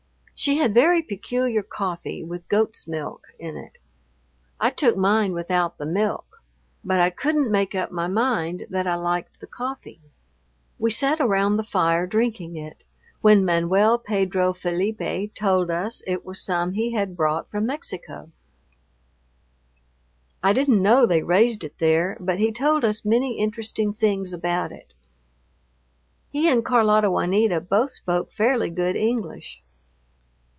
She had very peculiar coffee with goat's milk in it. I took mine without the milk, but I couldn't make up my mind that I liked the coffee. We sat around the fire drinking it, when Manuel Pedro Felipe told us it was some he had brought from Mexico. I didn't know they raised it there, but he told us many interesting things about it. He and Carlota Juanita both spoke fairly good English.